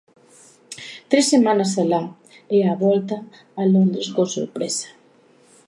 Tres semanas alá e a volta a Londres con sorpresa.